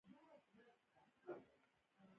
خو که زه نامسلمان شم حق لرم.